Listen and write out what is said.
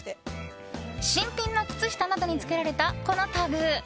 新品の靴下などにつけられたこのタグ。